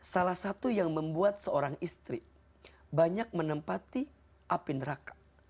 salah satu yang membuat seorang istri banyak menempati api neraka